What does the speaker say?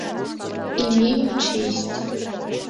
Имею честь.